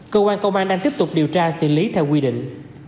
cơ quan công an đang tiếp tục điều tra xử lý theo quy định